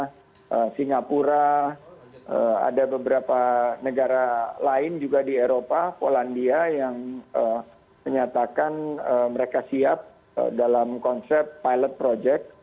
karena singapura ada beberapa negara lain juga di eropa polandia yang menyatakan mereka siap dalam konsep pilot project